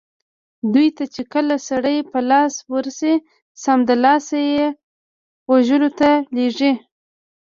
دوی ته چې کله سړي په لاس ورسي سمدلاسه یې وژلو ته لېږي.